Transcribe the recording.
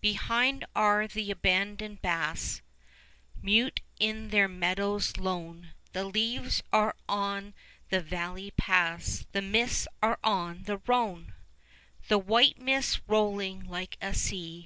Behind are the abandoned baths 5 Mute in their meadows lone; The leaves are on the valley paths; The mists are on the Rhone The white mists rolling like a sea.